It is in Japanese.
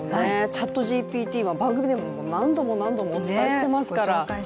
ＣｈａｔＧＰＴは番組でも何度も何度もお伝えしていますから。